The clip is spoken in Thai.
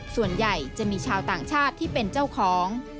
ส่วนใหญ่จะมีชาวต่างชาติที่เป็นเจ้าของ